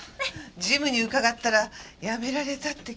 ジムに伺ったら辞められたって聞いたんで。